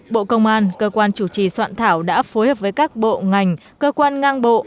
bộ công an cơ quan chủ trì soạn thảo đã phối hợp với các bộ ngành cơ quan ngang bộ